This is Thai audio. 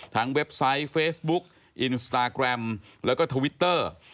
เว็บไซต์เฟซบุ๊กอินสตาแกรมแล้วก็ทวิตเตอร์